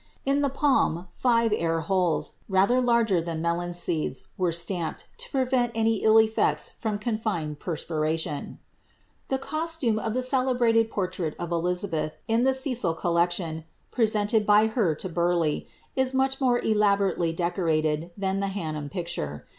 In the palm, five air holes, rather larger than melon were stamped, to prevent any Ul eflbcts from confined penpira i costume of the celebrated portrait of Elizabeth, in the Cecil col I, presented by her to Burleigh, is much more elaborately deco than the Henham picture.